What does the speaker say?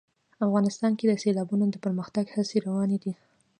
افغانستان کې د سیلابونه د پرمختګ هڅې روانې دي.